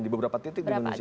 di beberapa titik di indonesia